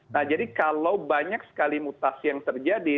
nah jadi kalau banyak sekali mutasi yang terjadi